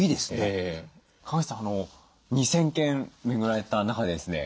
川口さん２，０００軒巡られた中でですね